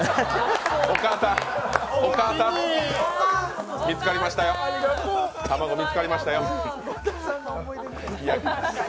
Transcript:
お母さん、お母さん、見つかりましたよ、卵見つかりましたよ。